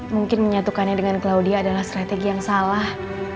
mungkin menyatukannya dengan claudia adalah strategi yang salah